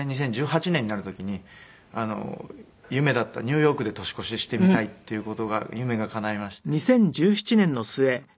２０１８年になる時に夢だったニューヨークで年越ししてみたいっていう事が夢がかないまして本当に。